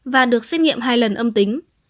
và được xét nghiệm hai lần âm tính